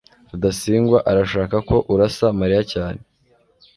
rudasingwa arashaka ko urasa mariya cyane